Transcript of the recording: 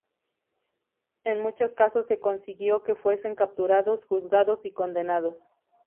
En muchos casos se consiguió que fuesen capturados, juzgados y condenados.